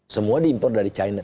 semua diimpor dari china